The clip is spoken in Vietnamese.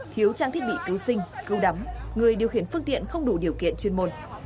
thiếu trang thiết bị cứu sinh cứu đắm người điều khiển phương tiện không đủ điều kiện chuyên môn